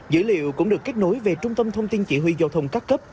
dữ liệu cũng được kết nối về trung tâm thông tin chỉ huy giao thông các cấp